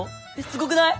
すごくない！？